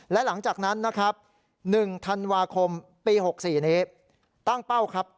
และหลังจากนั้นนะครับ๑ธันวาคมปี๖๔นี้ตั้งเป้าครับ